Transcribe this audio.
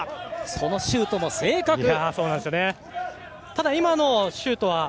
そのシュートも正確。